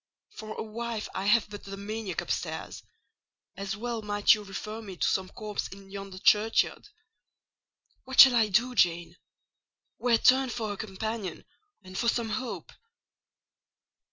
For a wife I have but the maniac upstairs: as well might you refer me to some corpse in yonder churchyard. What shall I do, Jane? Where turn for a companion and for some hope?"